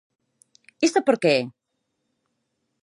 ¿Isto por que é?